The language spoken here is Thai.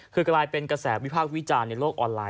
คือกลายเป็นกระแสวิพากษ์วิจารณ์ในโลกออนไลน